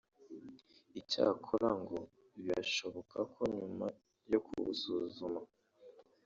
Icyakora ngo birashoboka ko nyuma yo kubusuzuma